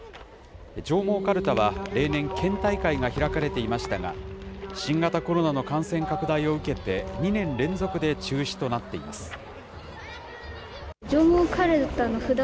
上毛かるたは、例年、県大会が開かれていましたが、新型コロナの感染拡大を受けて、２年連続で中止となっています。